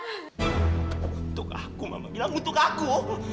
untuk aku mama bilang untuk aku